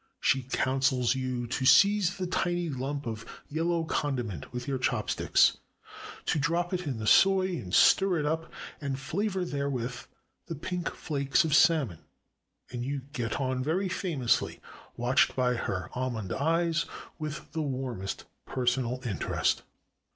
She coun sels you to seize the tiny lump of yellow condiment with your chopsticks, to drop it in the soy, to stir up and flavor therewith the pink flakes of salmon; and you get on very famously, watched by her almond eyes with the warmest personal interest.